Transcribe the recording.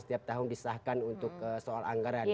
setiap tahun disahkan untuk soal anggaran